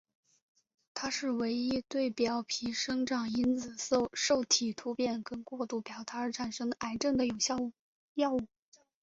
它是唯一对表皮生长因子受体突变跟过度表达而产生的癌症的有效药物。